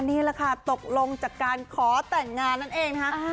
นี่แหละค่ะตกลงจากการขอแต่งงานนั่นเองนะคะ